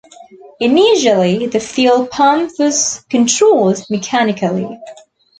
Initially, the fuel pump was controlled mechanically.